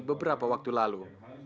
beberapa waktu lalu